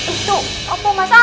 itu apa masal